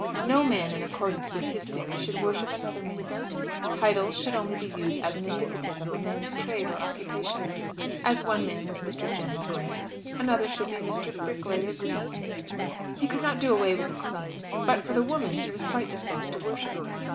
No man in accordance with his theory should worship another man. Titles should only be used as indicative of a man's trade or occupation. As one man was Mr. General Grant, another man should be Mr. Bricklayer Green. He could not do away with the Queen. But for the woman, he was quite disposed to worship her.